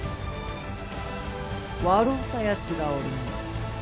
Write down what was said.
笑うたやつがおるの。